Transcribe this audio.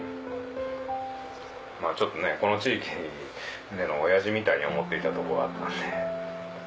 ちょっとねこの地域での親父みたいに思っていたとこがあったんで。